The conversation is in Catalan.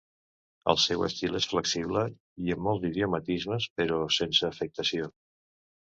El seu estil és flexible i amb molts idiomatismes, però sense afectació.